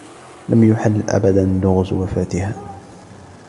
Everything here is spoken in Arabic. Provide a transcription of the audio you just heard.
لم يُحل أبدا لغز وفاتها.